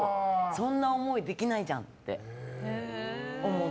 そんな思いできないじゃんって思って。